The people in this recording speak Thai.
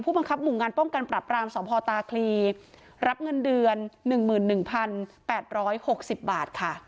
บังคับหมู่งานป้องกันปรับรามสพตาคลีรับเงินเดือน๑๑๘๖๐บาทค่ะ